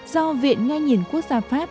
do viện nghe nhìn quốc gia pháp